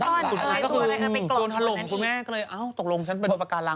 ก็คือโดนถลงคุณแม่ก็เลยอ้าวตกลงฉันเป็นปากการัง